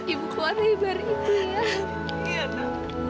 ibu keluar di bar ini ya